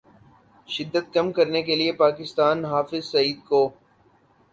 شدت کم کرنے کے لیے پاکستان حافظ سعید کو